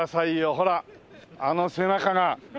ほらあの背中がねえ。